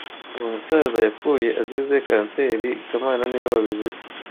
Uwo musaza yapfuye azize kanseri kamana niwe wabivuze